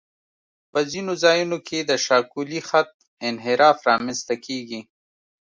په ځینو ځایونو کې د شاقولي خط انحراف رامنځته کیږي